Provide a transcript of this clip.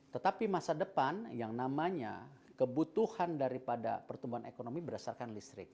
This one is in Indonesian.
tetapi masa depan yang namanya kebutuhan daripada pertumbuhan ekonomi berdasarkan listrik